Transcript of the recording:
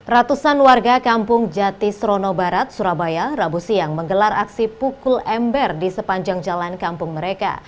ratusan warga kampung jatisrono barat surabaya rabu siang menggelar aksi pukul ember di sepanjang jalan kampung mereka